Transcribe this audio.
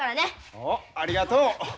おっありがとう。